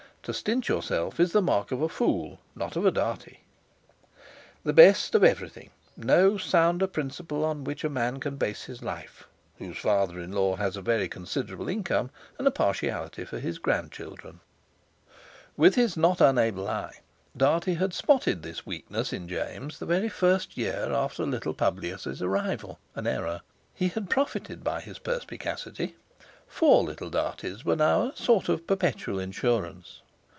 To stint yourself is the mark of a fool, not of a Dartie. The best of everything! No sounder principle on which a man can base his life, whose father in law has a very considerable income, and a partiality for his grandchildren. With his not unable eye Dartie had spotted this weakness in James the very first year after little Publius's arrival (an error); he had profited by his perspicacity. Four little Darties were now a sort of perpetual insurance.